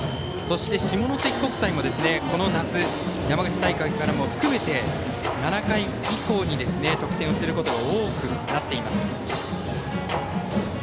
下関国際もこの夏、山口大会から含めて７回以降に得点することが多くなっています。